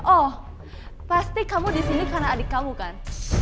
oh pasti kamu disini karena adik kamu kan